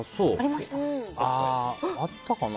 あったかな。